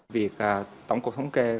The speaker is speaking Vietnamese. vì vậy tổng cục thống kê